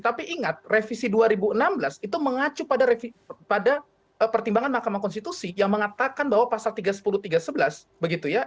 tapi ingat revisi dua ribu enam belas itu mengacu pada pertimbangan mahkamah konstitusi yang mengatakan bahwa pasal tiga ratus sepuluh tiga ratus sebelas begitu ya